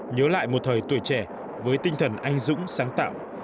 nhớ lại một thời tuổi trẻ với tinh thần anh dũng sáng tạo